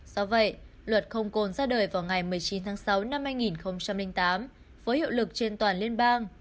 do vậy luật không cồn ra đời vào ngày một mươi chín tháng sáu năm hai nghìn tám có hiệu lực trên toàn liên bang